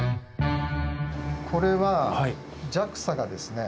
これはＪＡＸＡがですね